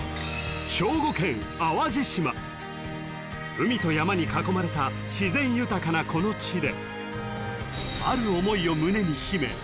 ［海と山に囲まれた自然豊かなこの地で］